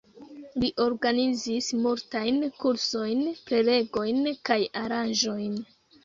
Li organizis multajn kursojn, prelegojn kaj aranĝojn.